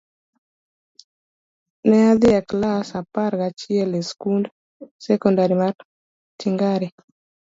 Ne adhi e klas apar gachiel e skund sekondar mar Tingare.